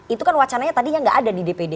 itu kan wacananya tadi yang nggak ada di dpd